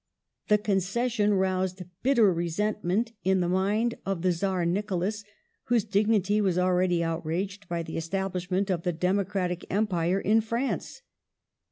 The concession roused bitter resentment in the mind of the Czar Nicholas, whose dignity was already outraged by the establishment of the democratic Empire in France.